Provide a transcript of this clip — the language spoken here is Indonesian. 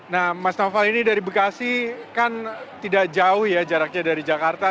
nah mas naufal ini dari bekasi kan tidak jauh ya jaraknya dari jakarta